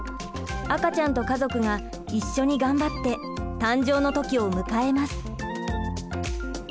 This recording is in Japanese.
赤ちゃんと家族が一緒に頑張って誕生の時を迎えます。